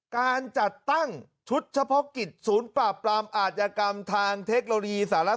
การจัดตั้งชุดเฉพาะกิจศูนย์ปราบปรามอาชญากรรมทางเทคโนโลยีสาร